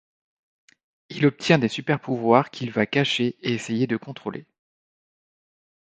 Il obtient des super-pouvoirs qu'il va cacher et essayer de contrôler.